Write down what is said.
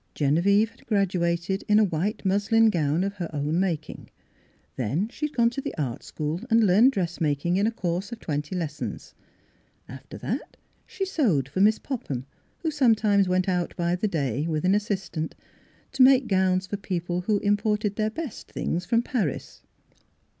Genevieve had graduated in a white muslin gown of her own making. Then she had gone to the Art School and learned dress making in a course of twenty lessons. After that she sewed for Miss Popham, who some times went out by the day, with an assist ant, to make gowns for people who im ported their best things from Paris.